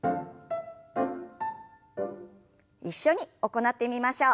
一緒に行ってみましょう。